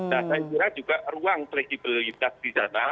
nah saya kira juga ruang fleksibilitas di sana